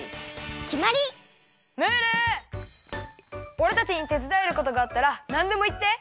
おれたちにてつだえることがあったらなんでもいって！